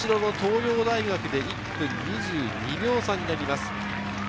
その後ろ、東洋大学で１分２２秒差になります。